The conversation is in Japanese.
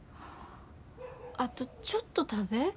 あとちょっと食べ。